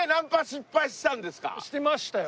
しましたよ。